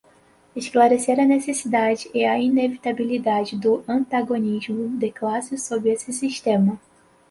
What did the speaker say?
esclarecer a necessidade e a inevitabilidade do antagonismo de classe sob esse sistema